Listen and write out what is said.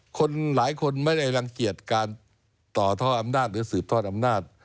คนหลายคนไม่ได้รังเกียจการต่อท่ออำนาจหรือสืบทอดอำนาจ